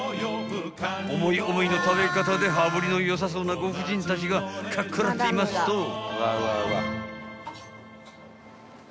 ［思い思いの食べ方で羽振りの良さそうなご婦人たちがかっ食らっていますと］